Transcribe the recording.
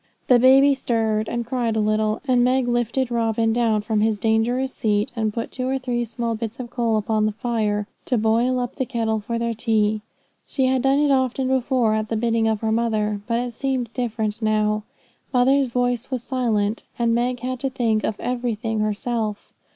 The baby stirred, and cried a little; and Meg lifted Robin down from his dangerous seat, and put two or three small bits of coal upon the fire, to boil up the kettle for their tea. She had done it often before, at the bidding of her mother; but it seemed different now. Mother's voice was silent, and Meg had to think of everything herself.